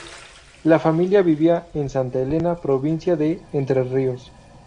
La familia vivía en Santa Elena, Provincia de Entre Ríos.